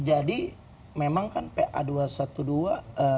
jadi memang kan pa dua ratus dua belas adalah gerakan